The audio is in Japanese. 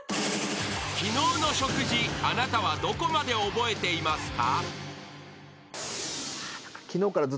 ［昨日の食事あなたはどこまで覚えていますか？］